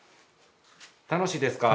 楽しいですか？